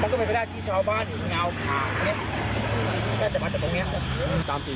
มันก็เป็นไปได้ที่ชาวบ้านอยู่เงาขาดน่าจะมาจากตรงนี้